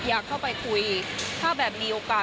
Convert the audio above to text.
อยากเข้าไปคุยถ้าแบบมีโอกาส